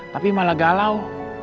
tapi malah galau